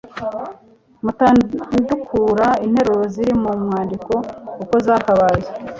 mutandukura interuro ziri mu mwandiko uko zakabaye.